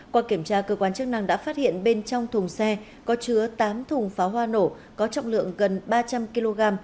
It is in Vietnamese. qua kiểm tra cơ quan chức năng đã phát hiện bên trong thùng xe có chứa tám thùng pháo hoa nổ có trọng lượng gần ba trăm linh kg